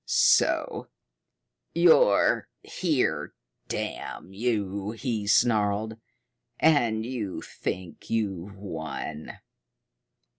"So you're here, damn you!" he snarled. "And you think you've won.